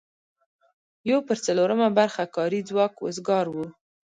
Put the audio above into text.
یو پر څلورمه برخه کاري ځواک وزګار و.